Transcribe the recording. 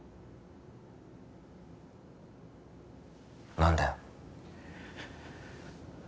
何だよ